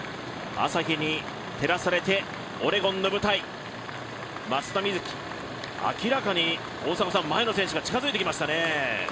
朝日に照らされてオレゴンの舞台、松田瑞生明らかに前の選手が近づいてきましたね。